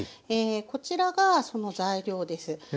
こちらがその材料です。